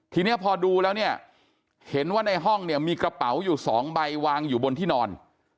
ทีนี้พอดูแล้วเนี่ยเห็นว่าในห้องเนี่ยมีกระเป๋าอยู่๒ใบวางอยู่บนที่นอน